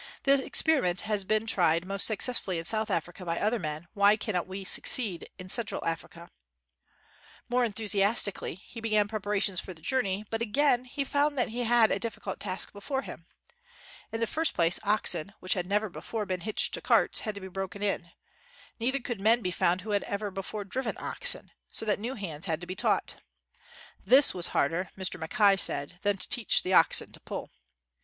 The experiment has been tried most successfully in South Africa by other men ; why cannot we succeed in Central Africa ?" Most enthusiastically he began prepara tions for the journey, but again he found that he had a difficult task before him. In the first place, oxen, which never before had 58 JUNGLE ROADS AND OX CARTS been hitched to carts, had to be broken in. Neither could men be found who had ever before driven oxen, so that new hands had to be taught. This was harder, Mr. Mackay said, than to teach the oxen to pull.